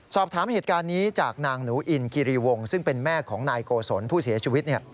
สอบถามเหตุการณ์นี้จากนางหนูอินคิรีวงซึ่งเป็นแม่ของนายโกศลผู้เสียชีวิต